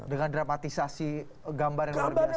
dengan dramatisasi gambar yang luar biasa